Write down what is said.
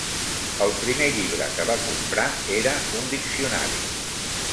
El primer llibre que va comprar era un diccionari.